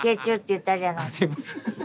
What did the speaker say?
すいません。